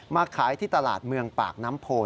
มาขายที่ตลาดเมืองปากน้ำโพน